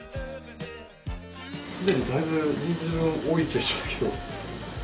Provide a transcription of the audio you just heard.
すでにだいぶ人数分多いでしょうけど。